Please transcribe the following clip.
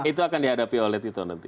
itu akan dihadapi oleh tito nanti